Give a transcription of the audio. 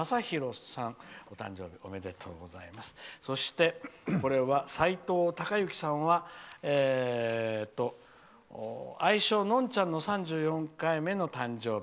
そして、さいとうたかゆきさんは愛称のんちゃんの３４回目の誕生日。